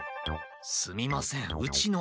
すみませんうちの。